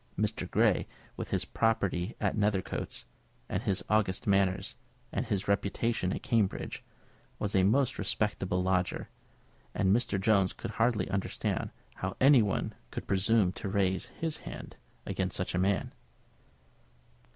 Mr. Grey, with his property at Nethercoats, and his august manners, and his reputation at Cambridge, was a most respectable lodger, and Mr. Jones could hardly understand how any one could presume to raise his hand against such a man.